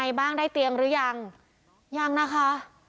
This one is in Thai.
บ้างได้เตียงหรือยังยังนะคะ